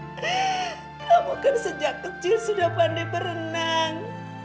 eh kamu kan sejak kecil sudah pandai berenang